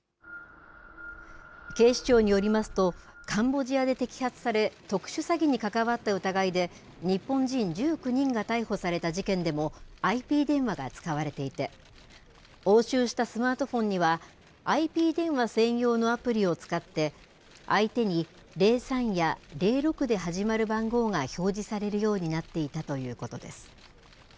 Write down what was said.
警視庁によりますとカンボジアで摘発され特殊詐欺に関わった疑いで日本人１９人が逮捕された事件でもＩＰ電話が使われていて押収したスマートフォンにはＩＰ電話専用のアプリを使って相手に０３や０６で始まる番号が表示されるようになっていたということです。